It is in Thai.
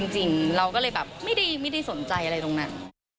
จริงเราก็เลยแบบไม่ได้สนใจอะไรตรงนั้น